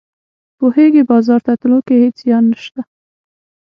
پوهیږې بازار ته تلو کې هیڅ زیان نشته